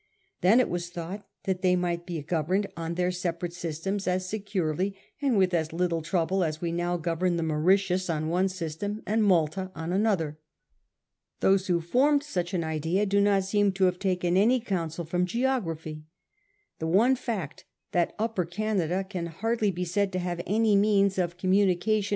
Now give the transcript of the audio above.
Then it was thought that they might be governed on their sepa rate systems as securely and with as little trouble as we now govern the Mauritius on one system and Malta on another. Those who formed such an idea do not seem to have taken any counsel with geo graphy. The one fact, that Upper Canada can hardly be said to have any means of communication with 1837.